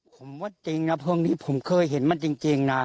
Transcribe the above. ผมว่าจริงนะพวกนี้ผมเคยเห็นมันจริงนะ